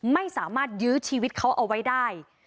ไม่สามารถยื้อชีวิตเขาเอาไว้ได้